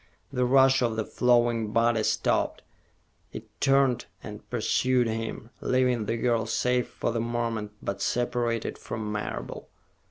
The rush of the flowing body stopped; it turned and pursued him, leaving the girl safe for the moment, but separated from Marable.